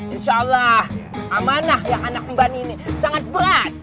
insya allah amanah ya anak pembani ini sangat berat